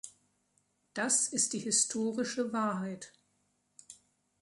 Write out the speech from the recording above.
Das ist die historische Wahrheit.